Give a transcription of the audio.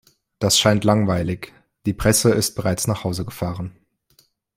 Das scheint langweilig, die Presse ist bereits nach Hause gefahren.